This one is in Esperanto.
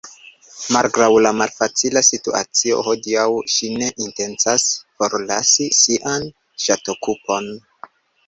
Malgraŭ la malfacila situacio hodiaŭ ŝi ne intencas forlasi sian ŝatokupon.